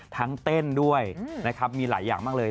เต้นด้วยนะครับมีหลายอย่างมากเลย